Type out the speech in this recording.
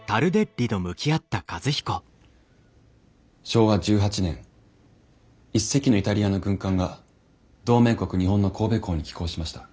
昭和１８年一隻のイタリアの軍艦が同盟国日本の神戸港に寄港しました。